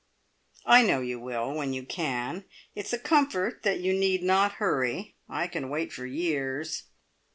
"I know you will, when you can. It's a comfort that you need not hurry. I can wait for years."